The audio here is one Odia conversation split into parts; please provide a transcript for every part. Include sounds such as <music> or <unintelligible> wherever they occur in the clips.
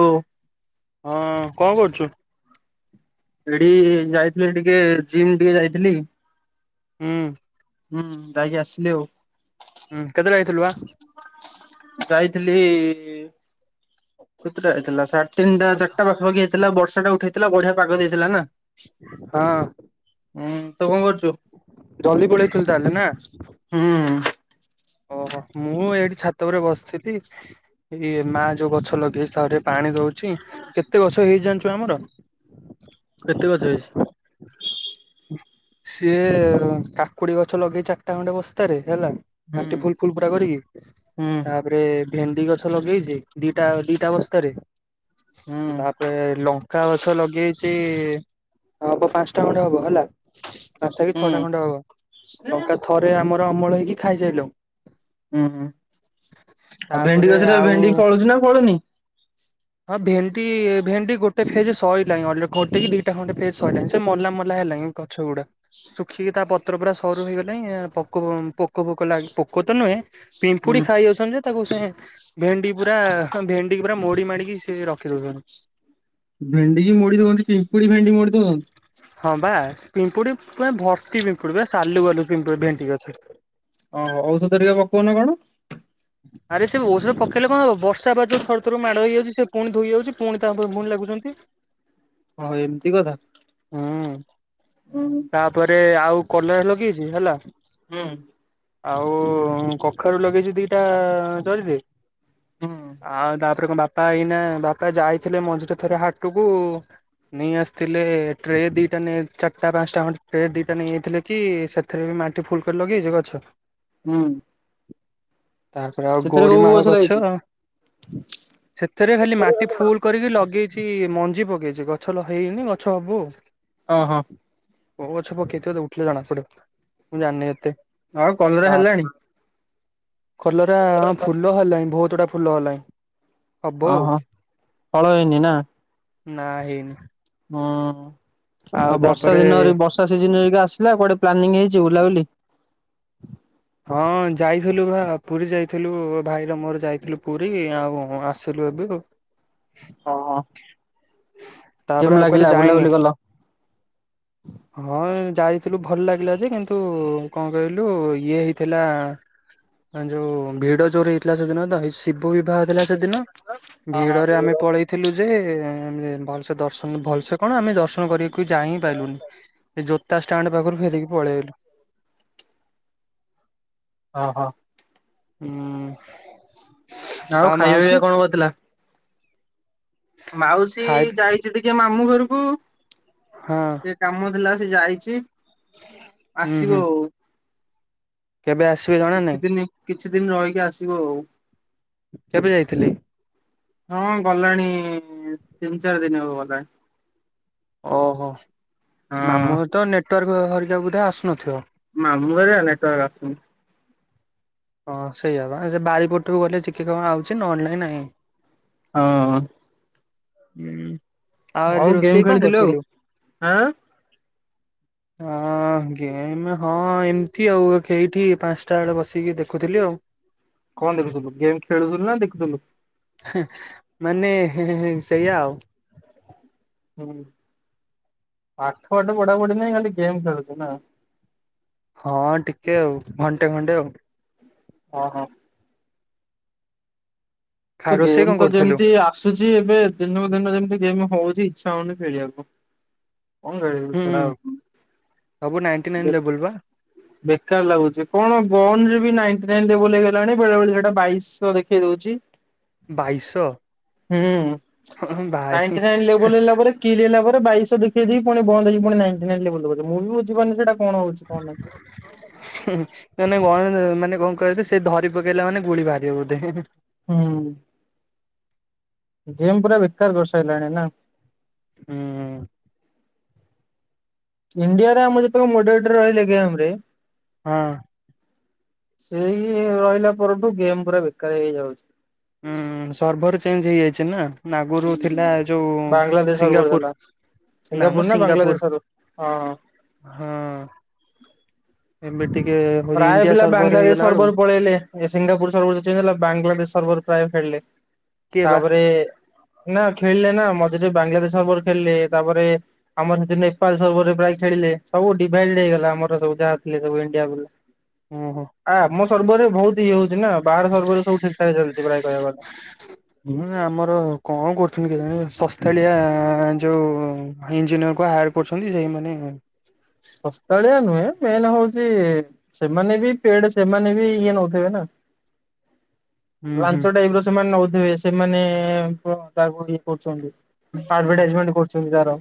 ଓ ଅ ହଁ କଣ କରୁଛୁ? ସେଠି ଯାଇଥିଲି ଟିକେ ଜିମ୍ ଟିକେ ଯାଇଥିଲି। ହୁଁ, ହୁଁ ଯାଇକି ଆସିଲି ଆଉ। ହୁଁ କେତେ ଯାଇଥିଲୁ ବା ଯାଇଥିଲି, ଇ କେତେଟା ହେଇଥିଲା ସାଢେ ତିନଟା ଚାରିଟା ପାଖାପାଖ ହେଇଥିଲା ବର୍ଷା ଟା ଉଠେଇ ଥିଲା ବଢିଆ ପାଗ ଦେଇଥିଲା ନା। ହଁ ହୁଁ ତୁ କଣ କରୁଛୁ? ଡାଲେ ନା ହୁଁ ଓହୋ, ମୁଁ ଏଇଠି ଛାତ ଉପରେ ବସିଥିଲି ଏଇ ମା ଯୋଉ ଗଛ ଲଗେଇଛି ତ ପାଣି ଦଉଛି। କେତେ ଗଛ ହେଇଛି ଜାଣିଚୁ ଆମର। କେତେ ଗଛ ହେଇଛି? ସିଏ କାକୁଡି ଗଛ ଲଗେଇଛି ଚାରିଟା ଖଣ୍ଡେ ବସ୍ତାରେ। ହେଲା ହୁଁ ପାଟି ଫୁଲ ଫୁଲ ପ କରିକି ହୁଁ ତାପରେ ଭେଣ୍ଡି ଗଛ ଲଗେଇଛି ଦିଟା ଦିଟା ବସ୍ତାରେ, ହୁଁ ତାପରେ ଲଙ୍କା ଗଛ ଲଗେଇଚି। ସେ ହବ ପାଞ୍ଚଟା ଖଣ୍ଡେ ହବ ହେଲା। ପାଞ୍ଚଟା କି ହୁଁ ଛଅଟା ଖଣ୍ଡା ହବ। ଲଙ୍କା ଥରେ ଆମର ଅମଳ ହେଇକି ଖାଇସାଇଲୁ। ହୁଁ -ହୁଁ ଆଉ ଭେଣ୍ଡି ତାପରେ ଗଛରେ ଆଉ ଭେଣ୍ଡି ଫଳୁଛି ନା ଫଳୁନି। ହଁ ଭେଣ୍ଡି ଭେଣ୍ଡି ଗୋଟେ ଫେଜ ସରିଲଣି ଅ ଘଟେ କି ଦିଟା ଖଣ୍ଡେ ଫେଜ ସରିଲଲାଣି ସେ ମଲା ମଲା ହେଲାଣିି ଗଛ ଗୁଡା। ଶୁଖିକି ତା ପତ୍ର ପୁରା ସରୁ ହେଇଗଲାଣି ପୋକ ଫୋକ ଲାଗି ପୋକ ତ ନୁହେଁ। ପିମ୍ପୁଡି ହୁଁ ଖାଇ ଯାଉଛନ୍ତି ଯେ ତାକୁ ସେ ଭେଣ୍ଡି ପୁରା ଭେଣ୍ଡି ପୁରା ମୋ ମୋଡି ମାଡ଼ିକି ସେ ରଖି ଦଉଛନ୍ତି। ଭେଣ୍ଡି କି ମଡି ଦଉନ୍ତି ପିମ୍ପୁଡି ଭେଣ୍ଡି ମଡିଦଉନ୍ତି। ହଁ ବା ପିମ୍ପୁଡି ପୁରା ଭର୍ତି ପିମ୍ପୁଡି ବା ସାଲୁ ବାଲୁ ପିମ୍ପୁଡି ଭେଣ୍ଡି ଗଛ। ଓ ହୋ, ଔଷଧ ଟିକେ ପକଉନ କଣ। ଆରେ ସେ ଔଷଧ ପକେଇଲେ କଣ ହେବ ବର୍ଷା ବା ଯୋଉ ଥ ଥର ମାଡ଼ ହେଇଯାଉଛି ସେ ପୁଣି ଧୋଇଇଯାଉଛି ପୁଣି ତାପରେ ପୁଣି ଲାଗୁଛନ୍ତି। ହଁ ଏମିତି କଥା। ହୁଁ। ହୁଁ ତାପରେ ଆଉ କଲରାଲଗେଇଛି ହେଲା। ହୁଁ। ଆଉ କଖାରୁ ଲଗେଇଛି ଦିଟା ଜରିରେ। ହୁଁ ଆଉ ତାପରେ କଣ ବାପା ଏଇନା ବାପା ଯାଇଥିଲେ ମଝିରେ ଥରେ ହାଟକୁ ନେଇ ଆସିଥିଲେ ଟ୍ରେ ଦିଟା ନ ଚାଟ ଟା ପାଞ୍ଚଟା ଖଣ୍ଟ ଦିଟା ଟ୍ରେ ନେଇଯଥିଲେ କି ସେଥିରେ ବି ଫୁଲ୍ କରି ଲଗେଇଛି ଗଛ। ହୁଁ। ତାପରେ ଆଉ ସେଥିରେ କୋଉ କୋଉ ଗୋଡିମାଳ ଗଛ। ଲାଗିଛି? ସେଥିରେ ଖାଲି ମାଟି ଫୁଲ୍ କରିକି ଲଗେଇଛି ମଞ୍ଜି ପକେଇ ଛି ଗଛ ଲ ହେଇନି ଗଛ ହବୁ ଆଉ। ଓଁ ହୋ। ଓଉ ଗଛ ପକେଇଥିଲା ଉଠିଲେ ଜଣା ପଡେ ମୁଁ ଜାଣିନି ଏତେ। ଆଉ କଲରା ତା ହେଲାଣି। କଲରା ହଁ ଫୁଲ ହେଲାଣି ବହୁତ ଗୁଡା ଫୁଲ ହେଲାଣି। ହବ ଆଉ ଓହୋ, ହଳ ହେଇ ନି ନା। ନା ହେଇନି। ହୁଁ, ଆଉ ବର୍ଷା ଦିନରେ ବର୍ଷା ସିଜନ ଆସିଲା କୁଆଡେ ପ୍ଲାନିଂ ହେଇ ଯ ଉଲାଉଲି। ହଁ, ଯାଇଥିଲୁ ଭ ପୁରୀ ଯାଇଥିଲୁ ଭାଇର ମୋର ଯାଇଥିଲୁ ପୁରୀ ଆଉ ଆସିଲୁ ଏବେ ଆଉ। ହଁ ହଁ। ତାପରେ ଆଉ କାଆଠେ ଯାଇନି କଲ? ହଁ ଏଁ। ଯାଇଥିଲୁ ଭଲ ଲାଗିଲା ଯେ, କିନ୍ତୁ କଣ କହିଲୁ ଇଏ ହେ ଥିଲା ଯୋଉ ଭିଡ ଯୋଉର ହେଇଥିଲା ସେଦିନ ତ। ଶିବ ବିବାହ ହେଇଥିଲା ସେଦିନ। ଭିଡରେ ହଁ ଆମେ ପଳେଇଥିଲୁ ଯେ ଆମେ ଭଲସେ ଦର୍ଶନ ଭଲସେ କଣ ଆମେ ଦର୍ଶନ କରିବାକୁ ଯାଇ ହିଁ ପାରଲୁନି ଯୋ ଷ୍ଟାଣ୍ଡ ପାଖରୁ ଫେରିକି ପଳେଇଲୁ। ହଁ ହଁ। ହୁଁ। ଆଉ ଖାଇବା ପିଇବା କଣ କରିଥିଲା। ମାଉସୀ ଖାଇ ଯାଇଛି ଟିକେ ମାମୁଁ ଘରକୁ, ହଁ ଟିକେ କାମ ଥିଲା। ସେ ଯାଇଛି ହୁଁ ଆସିବ ହୁଁ ଆଉ କେବେ ଆସିବେ ଜଣା କିଛି ନାଇଁ। ଦିନ କିଛି ଦିନ ରହିକି ଆସିବ ଆଉ କେବେ ଯାଇଥିଲି? ହଁ ଗଲାଣି ତିନି ଚାରି ଦିନ ହବ ଗଲାଣି। ଓହୋ ହଁ। ମାମୂଁ ଘରତ ନେଟୱାର୍କ ଘରିକା ବୁଧେ ଆସୁନଥିବ। ମାମୂଁ ହେଗା ନେଟୱାର୍କ ଆସୁନି। ହଁ ସେଇଆ ବା ସେ ବାରି ପଟକୁ ଗଲେ ଚିକେ ଟିକେ କଣ ଆଉଚି ନହେଲେ ନାଇଁ ନାହିଁ। ଓ ହ ହ <inaudible> ଆଉ ଗେମ୍ ଖେଳିଥିଲୁ ଆଉ ଆଁ ହଁ ଗେମ୍ ହଁ ଏମିତି ଆଉ କେଇଠି ପାଞ୍ଚଟା ବେଳେ ବସିକି ଦେଖ ଖୁଥିଲି ଆଉ କଣ ଦେଖୁଥିଲୁ ଗେମ୍ ଖେଳୁଥିଲୁ ନା ଦେଖୁଥିଲୁ। ମାନେ ସେଇଆା ଆଉ, ହୁଁ, ପାଠ ଫାଟ ପଢା ପଢି ନାହିଁ ଖାଲି ଗେମ୍ ଖେଳୁଚୁ ନା? ହଁ ଟିକେ ଆଉ ଘଣ୍ଟେ ଖଣ୍ଟେ ଆଉ ହଁ ହଁ, ଖା ତ ରୋଷେଇ କଣ ଗେମ୍ ତ କରୁଥିଲୁ? ଯେମିତି ଆସୁଛି ଏବେ ଦିନକୁ ଦିନ ଯେମତି ଗେମ୍ ହଉଛି ଇଚ୍ଛା ହଉନି ଖେଳିବାକୁ। କଣ ଖେଳିବୁ ହୁଁ ଛାଡ ହୁଁ ଆଉ ସବୁ ନାଇଟି ବେ ନାଇନ ଲେବୁଲ ବା ବେକାର ଲାଗୁଛି କଣ ବନରେ ବି ନାଇଟ ନାଇନ ଦେବ ବୋଲି ହେଇ ଗଲାଣି ବେଳେ ବେଳେ ସେଟା ବାଇଶହ ଦେଖେଇ ଦଉଛି ଚି ବାଇଶ ହୁଁ ନାଇଟି ନାଇନ ଲେବୁଲ ହେଲା ପରେ ଲିଲ ପରେ ବାଇଶହଖେଇ ଦେଇ ପଣି ବନ୍ଦ ହେଇଛି ପୁଣି ନାଇ ନାଇ ମୁଁ ବି ବଝିବନି ସେଟା ମାନେ ଗଣ ମାନେ କଣ କହିବ ସେ ଧରି ପକେଇଲା ମାନେ ଗୁଳି ବାହାରିବ ବୋଧେ ହି ହି ହୁଁ, ଗେମ୍ ପୁରା ବେକାର କରି ସାରିଲାଣି ନା? ହୁଁ ଉଁ ଇଣ୍ଡିଆରେ ଆମ ଯେତେକ ମୋଡରେଟର ରହିଲେ ଗେମରେ ହଁ, ସେଇ ରହିଲା ପରଠୁ ଗେମ୍ ପୁରା ବେକାର ହେଇଯାଉଚି। ହୁଁ ସର୍ଭର ଚେଞ୍ଜ ହେଇଯାଇଛି ନା ନାଗୁରୁ ହୁଁ ଥିଲା ଯୋଉ ବାଂଲାଦେଶ ସର୍ଭର ସିଙ୍ଗାପୁର ଥିଲା ନାମ ସିଙ୍ଗାପୁର ନା ବାଂଲାଦେଶ ସିଙ୍ଗାପୁର ସର୍ଭର ହଁ। ହଁ। ଏମେ ଟିକ। ପ୍ରାୟ ପିଲା ବାଂଲାଦେଶ ସର୍ବରୁ ପଳେଇଲେ ସିଙ୍ଗାପୁର ସର୍ବ ଚଞ୍ଜ ହେଲା ବାଂଲାଦେଶ ସର୍ବର ପ୍ରାୟ ଖେଳିଲ କିଏ ବା ତାପରେ ନା ଖେଳିଲେ ନା ମତେ ସେଠି ବାଂଲାଦେଶ ସର୍ବର ଖେଳିଲେ ତାପରେ ଆମର ସେଠ ନେପାଳ ସର୍ବରେ ପ୍ରାୟ ଖେଳିଲେ ସବୁ ଡିଭାଇଡ ଆମର ସବୁ ଯାହା ଥିଲେ ସୁ ଇଣ୍ଡିଆ ବଲା। ଓ ହୋ। ସର୍ବରେ ବହୁତ ଇଏ ହଉଛି ନା ବାହାର ସର୍ବରେ ସବୁ ଠିକଠାକ ଚାଲିଛି ପ୍ରାୟ କହିବା ଗଲେ। ହୁଁ ଆମର କଣ କରୁଛନ୍ତି କେଜାଣି ସସ୍ ସ୍ଥଳିଆ ଯୋଉ ଇଞ୍ଜିନିୟର କ ହାୟାର କରୁଛନ୍ତି ସେଇମାନେ ଶସ୍ତାଳିଆ ନୁହେଁ ମେନ୍ ହଉଛି ସେମାନେ ବି ପେଡ ସେମାନେ ବି ଇଏ ନଉଥିବେ ନା। ହୁଁ ହୁଁ ଲାଞ୍ଚ ଟାଇପ ର ସେମାନେ ନଉଥିବେ ସେମାନେ ତାକୁ ଇଏ କରୁଛନ୍ତି। ଆଡଭର୍ଟାଇଜମେଣ୍ଟ କରୁଛନ୍ତି ତାର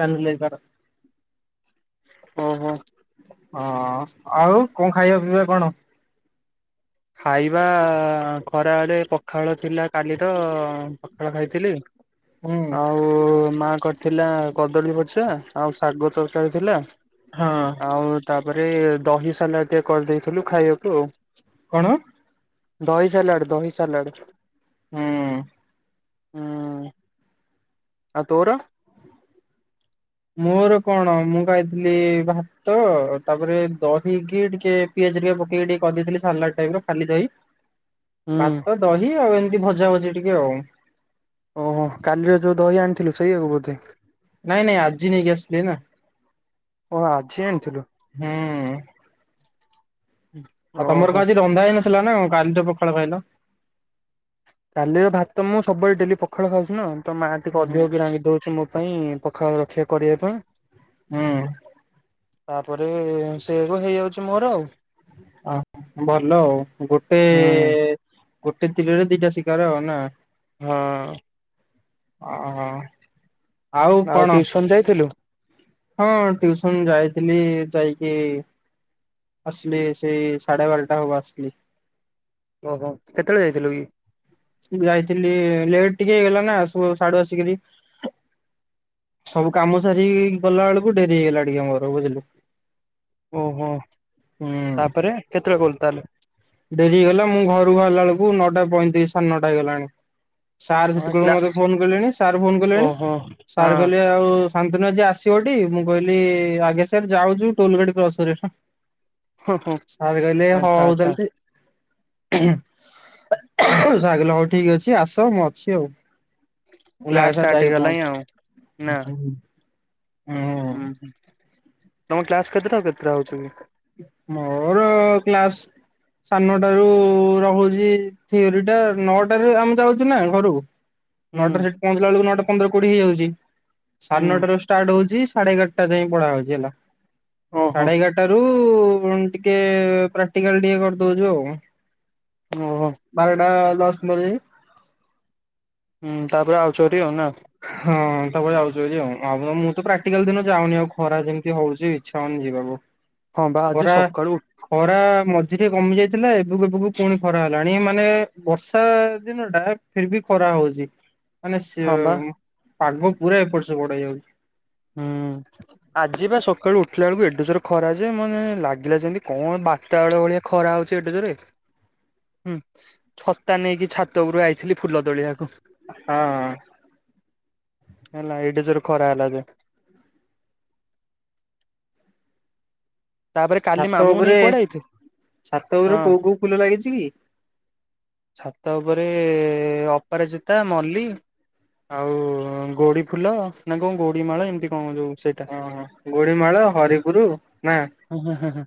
ପାନୁ ଲେଙ୍କା ର। ଓ ହୋ। ହଁ ଆଉ କଣ ଖାଇବା ପିଇବା କଣ? ଖାଇବା ଖରା ବଳେ ପଖାଳ ଥିଲା କାଲିର ପଖାଳ ଖାଇଥିଲି। ହୁଁ ଆଉ ମା କରିଥିଲା କଦଳୀ ପଛା ଆଉ ଶାଗ ତରକାରୀ ଥିଲା। ହଁ। ଆଉ ତାପରେ ଦହି ସଲା ଟିକେ କରିଦେଇଥିଲୁ ଖାଇବାକୁ ଆଉ। କଣ? ଦହି ସଲାଡ଼ ଦହି ସଲାଡ଼। ହୁଁ। ହଁ, ଆଉ ତୋର? ମୋର କଣ ମୁଁ ଖାଇଥିଲି ଭାତ ତାପରେ ଦହିକି ଟିକେ ପିଆ ପକି ଟିକେ କରେଦେଥିଲି ସାଲଟ୍ ଟାଇପ ର ଖାଲି ଦହି। ହୁଁ ଭାତ ଦହି ଆଉ ଏମିତି ଭଜା ଭଜି ଟିକେ ଆଉ। ଓହୋ କାଲିରେ ଯୋଉ ଦହି ଆଣିଥିଲୁ ସେଇଆକୁ ବୋଧେ। ନାଇଁ ନାଇଁ ଆଜି ନେଇ ଆସିଲି ନା। ଓ ଆଜି ଆଣିଥିଲୁ। ହୁଁ। ଆଉ ତମର ଓହୋ। ଗାଁ ଯ ରନ୍ଧା ହେଇନଥିଲା ନା କାଲିରେ ପଖାଳ ଖାଇଲ? କାଲିର ଭାତ ମୁଁ ସବୁବେଳେ ଡେଲି ପଖାଳ ଖାଉଛି ନା ତ ମାଆ ଟିକେ ହୁଁ ଅଧିକକ ରାନ୍ଧି ଦଉଛି ମୁଁ ପାଇଁ ପଖାଳ ରକ୍ଷା କରିବା ପାଇଁ। ହୁଁ। ତାପରେ ସେ କ ହେଇଯାଉଛି ମୋର ଆଉ। ଓ ଭଲ ଆଉ ଗୋଟେ ହୁଁ ଗୋଟେ ତିରରେ ଦିଟା ଶିକାର ଆଉ ନା। ହଁ। ଓ ହୋ। ଆଉ ଟିଉସନ ଯାଇଥିଲୁ? ହଁ ଟିୟୁସନ ଯାଇଥିଲି ଯାଇକି ଆସଲି ସେଇ ସା଼ଢେ ବାରଟା ହବ ଆସିଲି। ଓହୋ କେତେବେଳେ ଯାଇଥିଲୁ କି? ଯାଇଥିଲି ଲେଟ ଟିକେ ହେଇଗଲା ନା ସବୁ ଶାଢୁ ଆସିକରି ସବୁ କାମ ସାରିକି ଗଲା ବେଳକୁ ଡେରି ହେଇଗଲା ଟିକେ ଆମର ବୁଝିଲୁ। ଓହୋ ହୁଁ ତାପରେ କେତେବେଳେ ଗଲୁ ତାହେଲେ? ଡେରି ହେଇଗଲା ମୁଁ ଘରୁକୁ ହେରିଲା ବେଳକୁ ନଅଟା ପଇଁତିରିଶ ସାଢ଼େ ନଅଟା ହେଇଗଲାଣି। ସାର୍ ଓହୋ ହଁ ସେତକଳ କ୍ଲା ମତେ ଫୋନ କଲେଣି ସାର୍ ଫୋନ କଲେଣି ଓହୋ ସାର୍ ହଁ କହିଲେ ଆଉ ସା ଦିନ ଆଜି ଆସିବ ଟି ମୁଁ କହିଲି ଆଜ୍ଞା ସାର୍ ଯାଉଛୁ ଟୋଲ ଗାଡି କ୍ରସ କର ହଁ ସାର କଲେ ହ ଆଚ୍ଛା ଆଚ୍ଛା ହଉଦଲନ୍ତି। <unintelligible> ଯାଗିଲ ହଉ ଠିକ ଅଛି ଆସ ମୁଁ ଅଛି ଆଉ। ମୁଁ କହିଲି କ୍ଲାସ ଆଗରେ ଥା ମୁ ଷ୍ଟାର୍ଟ ଯାଇକି ହେଇଗଲାଣି ଆଉ ନା ପହଞ୍ଚୁଛି। ହୁଁ ହୁଁ ତମ କ୍ଲାସ କେତେଟାଉ କେତେଟା ହଉଛି? ମୋର କ୍ଲାସ୍ ସାଢ଼ନଟାରୁ ରହୁଛି ଥିଓରିଟା ନଅଟାରୁ ଆମେ ଯାଉଛୁ ନା ଘରୁ ହୁଁ ନଅଟାରେ ସେଠି ପହଞ୍ଚିଲା ବେଳକୁ ନଅଟା ପନ୍ଦର କୋଡିଏ ହେଇଯାଉଛି। ସାଢେ ହୁଁ ନଅଟାରେ ଷ୍ଟାର୍ଟ ହଉଛି ସାଢେଏଗାରଟା ଯାଏ ପଢା ହଉଛି ହେଲା ଓହୋ ସାଢେ ଏଗାରଟା ଟିକେ ପ୍ରାକ୍ଟିକାଲ ଟିକେ କରିଦଉଛୁ ଆଉ ଓହୋ ବାରଟା ଦଶ ମାର ହୁଁ ତାପରେ ଆଉଚ ହାରି ନା? ହଁ ତାପରେ ଯାଉଛୁ ହାରି ଆଉ ମୁଁ ତ ପ୍ରାକ୍ଟିକାଲ ଦିନ ଯାଉନି ଆଉ ଖରା ଯେମିତି ହଉଛି ଇଚ୍ଛା ହଉନି ବ ହଁ ବା ଆଜି ଖରା ସକାଳୁ ଖରା ମଝିରେ କମି ଯାଇ ଥିଲା ଏବେକୁ ଏବେକୁ ପୁଣି ଖରା ହେଲାଣି ମାନେ ବର୍ଷା ଦିନ ଟା ଫିର ବି ଖରା ହଉଛି। ମାନେ ସେ ହଁ ବା ପାଗ ପୁରା ଏପଟ୍ ସେପଟ୍ ହେଇଯାଉଛି। ହୁଁ ଆଜି ବା ସକାଳୁ ଉଠୁ ଦେଖିଲା ବେଳକୁ ଏଡେ ଯୋର ଖରା ଯେ ମାନେ ଲାଗିଲା ଯେମିତି କଣ ବାରଟା ବେଳ ଭଳିଆ ଖରା ହଉଛି ଏଡେ ଯୋରେ ହୁଁ ଛତା ନେଇକି ଛାତ ଉପରୁ ଆଇଥିଲି ଫୁଲ ତୋଳିବାକୁ। ହଁ। ହେଲା ଏଡେଯୋର୍ ଖରା ହେଲା ଯେ ତାପରେ କାଲି ଛାତ ମାମୁଁଙ୍କୁ ନେଇ ଉପରେ କୁଆଡେ ଆଇଥିଲୁ? ଛାତ ଉପରେ ହଁ କୋଉ କୋଉ ଫୁଲ ଲାଗିଛି କି? ଛାତ ଉପରେ ଅପରାଜିତା ମଲ୍ଳି ଆଉ ଗୋଡି ଫୁଲ ନା କଣ ଗୋଡି ମାଳ ଏମିତି କଣ ଯୋଉ ସେଇଟା ଓହୋ ଗୋଡିମାଳ ହରିପୁର ନା ହ ହଁ ହ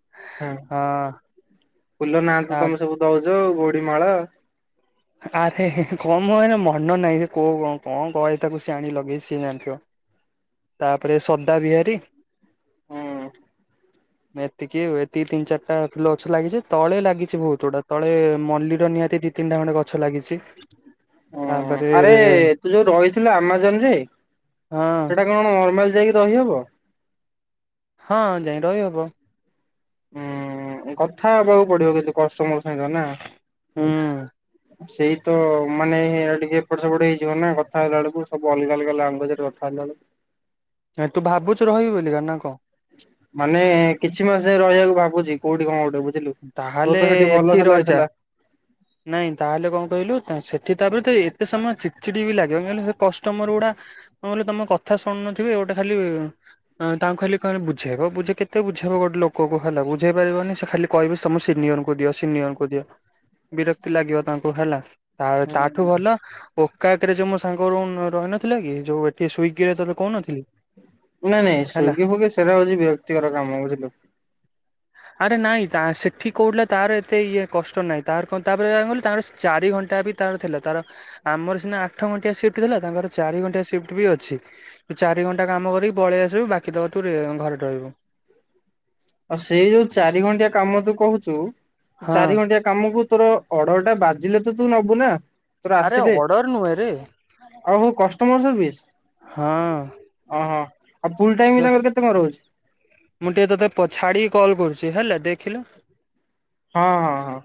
ହଁ। ଫୁଲ ନାଁ ତ ତା ତମେ ସବୁ ଦଉଛ ଗୋଡି ମାଳ ଆରେ କ ମନ ନାହିଁ କୋଉ କଣ କଣ କହ ଏ ତାକୁ ସିଏ ଆଣି ଲଗେଇ ସିଏ ଜଣିଥିବ। ତାପରେ ସଦା ବିହାରୀ ହଁ। ଏତିକି ଏତିକି ତିନି ଚାରିଟା ଫୁଲ ଅଛି ଲାଗିଛି ତଳେ ଲାଗିଛି ବହୁତ ଗୁଡା ତଳେ ମଲ୍ଲିର ନିହାତି ଦି ତିନିଟା ଖଣ୍ଡେ ଗଛ ଲାଗିଛି। ଓ ତାପରେ ଆରେ ତୁ ଯୋଉ ରହିଥିଲୁ ଆମାଜନ ରେ ହଁ ସେଟା କଣ ନର୍ମାଲ ଯାଇକି ରହିହବ? ହଁ ଯାଇ ରହିହବ। ହଁ କଥା ହବାକୁ ପଡିବ କିନ୍ତୁ କଷ୍ଟମର ସାଙ୍ଗ ନା? ସେଇ ତ ମାନେଇ ଟିକେ ଏପଟ ସେପଟେ ହେଇଯିବ ନା କଥା ହେଲା ବେଳକୁ ସବୁ ଅଲଗା ଅଲଗା ଲାଙ୍ଗୁଏଜ ରେ କଥା ହେଲା ବେଳକୁ <unintelligible> ନାଇ ତୁ ଭାବୁଛୁ ରହିବୁ ବୋଲିକା ନା କଣ? ମାନେ କିଛି ମାସ ରହିବାକୁ ଭାବୁଛି କୋଉଠି କଣ ଗୋଟେ ବୁ ତାହେଲେ ଏଠି ରହିଛ ନାଇଁ ତାହେଲେ କଣ କହିଲୁ ସେ ଠିକ ତାପରେ ତ ଏତେ ସମୟ ଚିଡଚିଡି ବି ଲାଗିବ କିଲ ସେ କଷ୍ଟମର ଗୁଡା କ ତମ କଥା ଶୁଣୁନଥିବେ। ଗୋଟେ ଖାଲି ତାଙ୍କୁ ଖାଲି କେ ବୁଝେଇବ ବୁଝ କେତେ ବୁଝେଇବ ଗୋଟେ ଲୋକକୁ ହେଲା ବୁଝେଇ ପାରିବନି ସେ ଖାଲି କହିବି ତମ ସିନିୟରଙ୍କୁ ଦିଅ ସିନିଅରଙ୍କୁ ଦିଅ ବିରକ୍ତି ଲାଗିବ ତାଙ୍କୁ ହେଲା ତା ତାଠୁ ଭଲ ଓ କାକରେ ଯଉ ମୋ ସାଙ୍ଗରୁ ରହିନଥିଲା କି ଯୋଉ ଏଠି ସ୍ଵିଗି ରେ ତତେ କହୁନଥିଲି। ନାଇଁ ନାଇଁ ହେଲା ସ୍ଵିଗୀ ଫୋଗେ ସେଗୁରା ହଉଛି ବିରକ୍ତିକର କାମ ବୁଝିଲୁ। ଆରେ ନାଇଁ ତା ସେଠି କହୁଥିଲା ତାର ଏତେ ଇଏ କଷ୍ଟ ନାହିଁ ତାର କ ତାପରେ କ କହିଲ ତାଙ୍କର ଚାରି ଘଣ୍ଟା ବି ତାର ଥିଲା। ଆମର ସିନା ଆଠ ଘଣ୍ଟିଆ ସିଫ୍ଟ ଥିଲା ତାଙ୍କର ଚାରି ଘଣ୍ଟିଆ ସିଫ୍ଟ ବି ଅଛି ଚାରି ଘଣ୍ଟା କରିକି ପଳେଇ ଆସିବୁ ବାକି ତକ ତୁ ଘରେ ରହିବୁ। ଆଉ ସେଇ ଯୋଉ ଚାରି ଘଣ୍ଟିଆ କାମ ତୁ କହୁଛୁ ହଁ। ଚାରି ଘଣ୍ଟିଆ କାମକୁ <unintelligible> ତୋର ଆରେ ଆସିଲେ ଅର୍ଡର ନୁହେଁରେ। ହଁ। ହ ହଁ ଆଉ ଫୁଲ ଟାଇମ ବି ତାଙ୍କର କେତେ ମର ହହୁଛି ପଛାଡ଼ି କଲ୍ କରୁଛି ହେଲା ଦେଖିଲ? ହଁ ହଁ ହଁ।